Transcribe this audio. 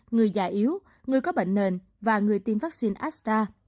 người già yếu người có bệnh nền và người tiêm vaccine asta